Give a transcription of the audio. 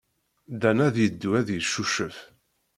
Dan ad yeddu ad yeccucef.